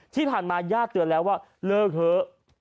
ที่ผ่านมาญาติเตือนแล้วว่าเลิกเถอะ